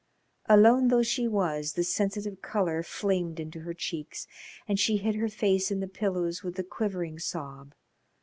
Alone though she was the sensitive colour flamed into her cheeks, and she hid her face in the pillows with a quivering sob.